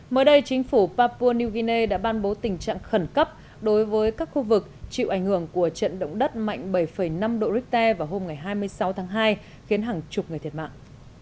mới đây chính phủ papua new guinea đã ban bố tình trạng khẩn cấp đối với các khu vực chịu ảnh hưởng của trận động đất mạnh bảy năm độ richter vào hôm hai mươi sáu tháng hai khiến hàng chục người thiệt mạng